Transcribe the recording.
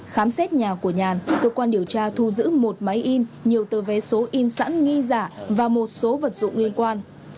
khám xét nhà của nhàn cơ quan điều tra thu giữ một máy in nhiều tờ vé số in sẵn nghi giả và một số vật dụng liên quan